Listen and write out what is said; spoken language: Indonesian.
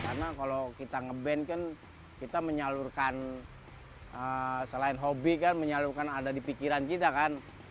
karena kalau kita ngeband kan kita menyalurkan selain hobi kan menyalurkan ada di pikiran kita kan